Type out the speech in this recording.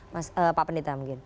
mas pak pendeta mungkin